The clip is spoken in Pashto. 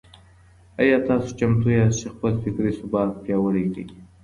آيا تاسو چمتو ياست چي خپل فکري ثبات پياوړی کړئ؟